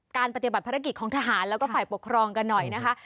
ปฏิบัติภารกิจของทหารแล้วก็ฝ่ายปกครองกันหน่อยนะคะ